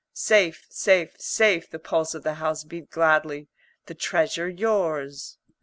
"Safe, safe, safe," the pulse of the house beat gladly. "The Treasure yours."